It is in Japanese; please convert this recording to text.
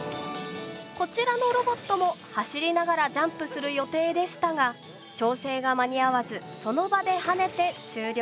こちらのロボットも走りながらジャンプする予定でしたが調整が間に合わずその場で跳ねて終了。